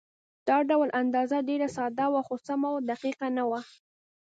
دا ډول اندازه ډېره ساده وه، خو سمه او دقیقه نه وه.